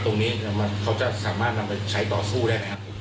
ตรงนี้เขาจะสามารถนำไปใช้ต่อสู้ได้ไหมครับ